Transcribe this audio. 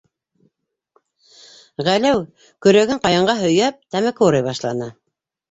- Ғәләү, көрәген ҡайынға һөйәп, тәмәке урай башланы.